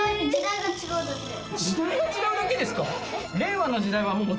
時代が違うだけですか？